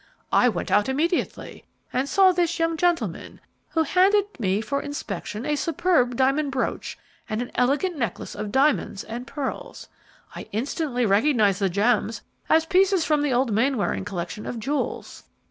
I went out immediately and saw this young gentleman, who handed me for inspection a superb diamond brooch and an elegant necklace of diamonds and pearls. I instantly recognized the gems as pieces from the old Mainwaring collection of jewels.